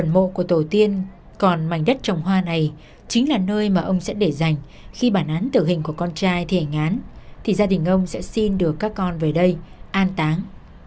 mô của tổ tiên còn mảnh đất trồng hoa này chính là nơi mà ông sẽ để dành khi bản án tử hình của con trai thi hành án thì gia đình ông sẽ xin được các con về đây an táng